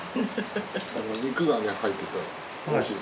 肉がね入ってるからおいしい。